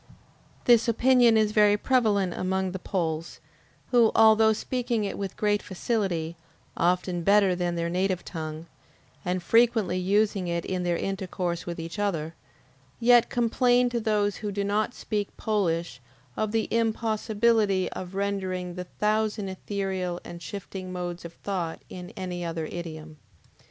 This opinion is very prevalent among the Poles, who, although speaking it with great facility, often better than their native tongue, and frequently using it in their intercourse with each other, yet complain to those who do not speak Polish of the impossibility of rendering the thousand ethereal and shifting modes of thought in any other idiom.